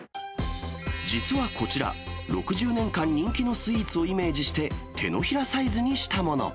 実はこちら、６０年間人気のスイーツをイメージして、手のひらサイズにしたもの。